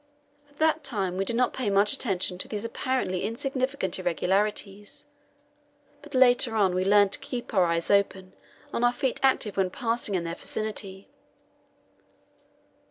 At that time we did not pay much attention to these apparently insignificant irregularities, but later on we learned to keep our eyes open and our feet active when passing in their vicinity.